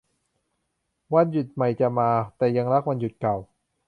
วันหยุดใหม่จะมา แต่ยังรักวันหยุดเก่า